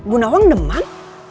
bu nawang demam